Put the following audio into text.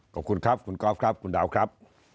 ขอบคุณครับคุณก๊อฟคุณดาวครับ